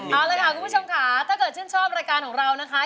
เอาเลยค่ะคุณผู้ชมค่ะถ้าเกิดชื่นชอบรายการของเรานะคะ